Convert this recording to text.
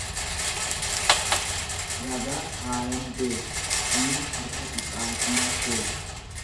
Ragaa kaayan beeki diina harka dhiqaatiin beeki.